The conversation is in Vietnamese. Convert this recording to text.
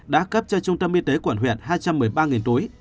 đã cấp cho trung tâm y tế quận huyện hai trăm một mươi ba túi